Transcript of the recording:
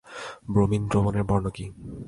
Bromine দ্রবণের বর্ণ কী?